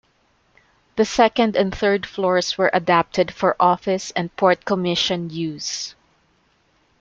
The second and third floors were adapted for office and Port Commission use.